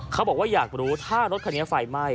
เขาบอกว่าอยากรู้ถ้ารถคันนี้ไฟไหม้